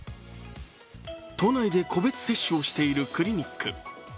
都内で個別接種をしているクリニック。